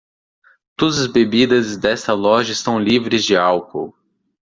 Todas as bebidas desta loja estão livres de álcool.